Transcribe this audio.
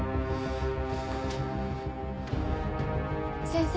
先生